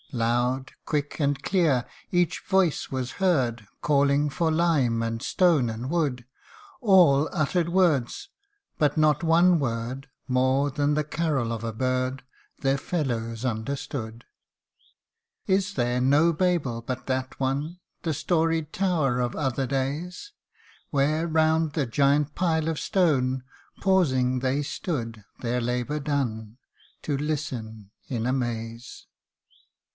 Loud, quick, and clear, each voice was heard, Calling for lime, and stone, and wood, All uttered words but not one word ; More than the carol of a bird, Their fellows understood. BABEL. Is there no Babel but that one, The storied tower of other days ? Where, round the giant pile of stone, Pausing they stood their labour done, To listen in amaze.